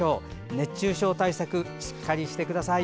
熱中症対策しっかりしてください。